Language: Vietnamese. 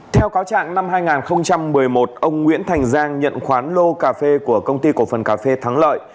theo cáo trạng năm hai nghìn một mươi một ông nguyễn thành giang nhận khoán lô cà phê của công ty cổ phần cà phê thắng lợi